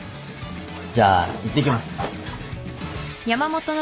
じゃあいってきます。